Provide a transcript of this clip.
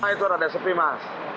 itu ada sepi mas